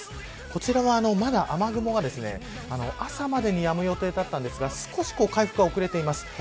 こちらはまだ雨雲が、朝までにやむ予定だったんですが少し回復が遅れています。